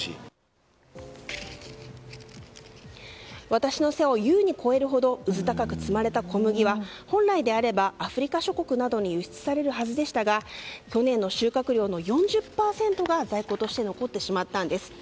私の背を優に超えるほどうずたかく積まれた小麦は本来であればアフリカ諸国などに輸出されるはずでしたが去年の収穫量の４０％が在庫として残ってしまったんです。